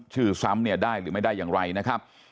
ชื่อซ้ำได้หรือไม่ได้อย่างไรนะครับ